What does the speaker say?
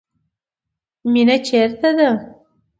مینه چیرته ده؟